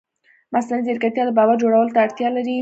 مصنوعي ځیرکتیا د باور جوړولو ته اړتیا لري.